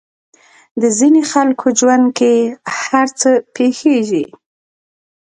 د ځينې خلکو ژوند کې هر څه پېښېږي.